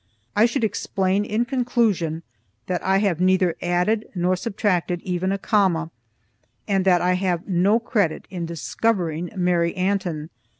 I should explain in conclusion, that I have neither added nor subtracted, even a comma, and that I have no credit in "discovering" Mary Antin.